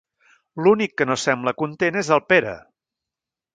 L'únic que no sembla content és el Pere.